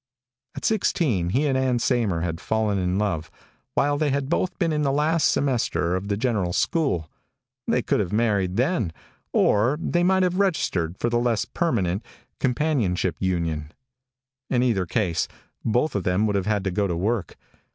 At sixteen he and Ann Saymer had fallen in love, while they had both been in the last semester of the general school. They could have married then, or they might have registered for the less permanent companionship union. In either case, both of them would have had to go to work.